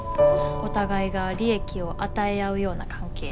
お互いが利益を与え合うような関係。